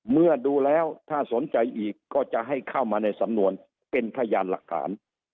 เมื่อดูแล้วถ้าสนใจอีกก็จะให้เข้ามาในสำนวนเป็นพยานหลักฐาน